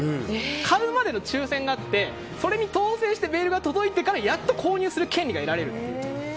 買うまでの抽選があってそれに当選してメールが届いてからやっと購入する権利が得られると。